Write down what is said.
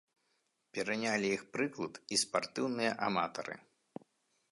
Перанялі іх прыклад і спартыўныя аматары.